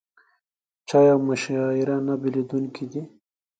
چای او مشاعره نه بېلېدونکي دي.